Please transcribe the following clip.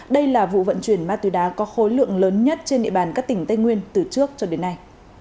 đây là vụ vận chuyển ma túy đá có khối lượng lớn nhất trên địa bàn các tỉnh tây nguyên từ trước cho đến nay